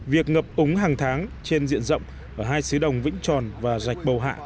việc ngập úng hàng tháng trên diện rộng ở hai xứ đồng vĩnh tròn và rạch bầu hạ